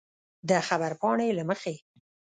د خبرپاڼې له مخې